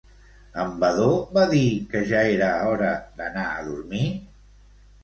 En Vadó va dir que ja era hora d'anar a dormir?